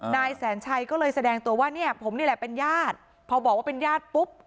นายแสนชัยก็เลยแสดงตัวว่าเนี่ยผมนี่แหละเป็นญาติพอบอกว่าเป็นญาติปุ๊บ